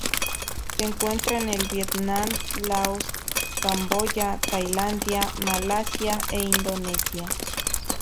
Se encuentra en el Vietnam, Laos, Camboya, Tailandia, Malasia e Indonesia.